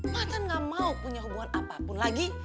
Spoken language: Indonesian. macan nggak mau punya hubungan apapun lagi